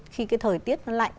khi cái thời tiết lạnh